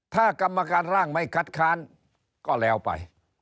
ถ้ากรรมการร่างไม่คัดค้านก็แล้วไป